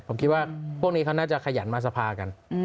ผมคิดว่าพวกนี้เขาน่าจะขยันมาสภากัน